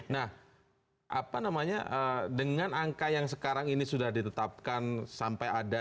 nah apa namanya dengan angka yang sekarang ini sudah ditetapkan sampai ada